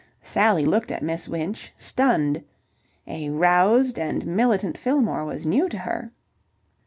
Sally looked at Miss Winch, stunned. A roused and militant Fillmore was new to her.